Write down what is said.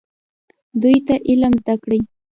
دوی ته علم زده کړئ